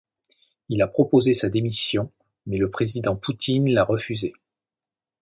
Il a proposé sa démission mais le président Poutine l'a refusée.